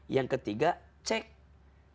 yang ketiga cek kebenarannya